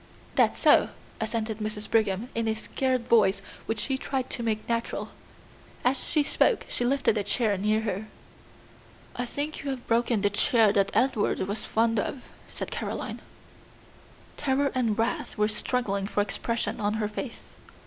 "That's so," assented Mrs. Brigham, in a scared voice which she tried to make natural. As she spoke she lifted a chair near her. "I think you have broken the chair that Edward was fond of," said Caroline. Terror and wrath were struggling for expression on her face.